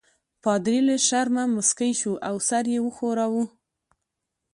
پادري له شرمه مسکی شو او سر یې وښوراوه.